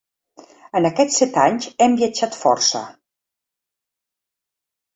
En aquests set anys hem viatjat força.